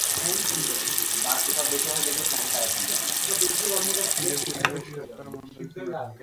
নিজের প্রতিভা শো-অফ করা মন্দ কিছু না।